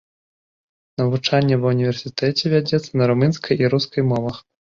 Навучанне ва ўніверсітэце вядзецца на румынскай і рускай мовах.